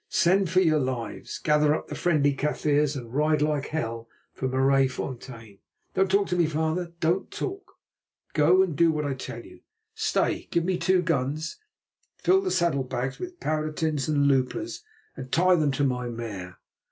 Send, for your lives; gather up the friendly Kaffirs and ride like hell for Maraisfontein. Don't talk to me, father; don't talk! Go and do what I tell you. Stay! Give me two guns, fill the saddle bags with powder tins and loopers, and tie them to my mare.